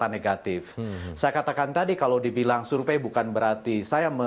dan juga menangkan kekuatan yang paling baik paling unggul paling manislah yang akan menang